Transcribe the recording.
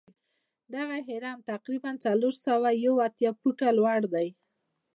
دغه هرم تقریبآ څلور سوه یو اتیا فوټه لوړ دی.